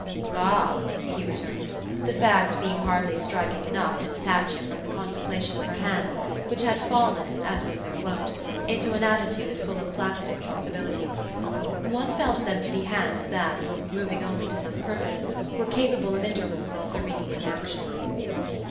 "Ah!" he returned, the fact being hardly striking enough to detach him from the contemplation of her hands, which had fallen, as was their wont, into an attitude full of plastic possibilities. One felt them to be hands that, moving only to some purpose, were capable of intervals of serene inaction.